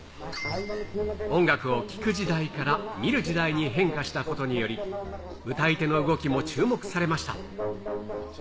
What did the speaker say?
音楽を聴く時代から見る時代に変化したことにより、歌い手の動きも注目されました。